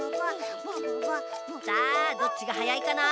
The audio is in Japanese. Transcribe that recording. さあどっちがはやいかな？